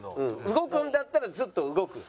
動くんだったらずっと動く。